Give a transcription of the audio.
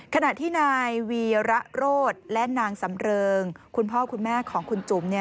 ขณะที่นายวีระโรธและนางสำเริงคุณพ่อคุณแม่ของคุณจุ๋ม